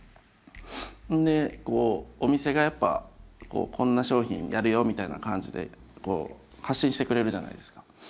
でお店がやっぱこんな商品やるよみたいな感じで発信してくれるじゃないですか。